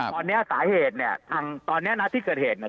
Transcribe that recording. ตอนนี้สาเหตุเนี่ยทางตอนเนี้ยนะที่เกิดเหตุเนี่ย